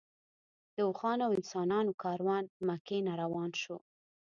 د اوښانو او انسانانو کاروان مکې نه روان شو.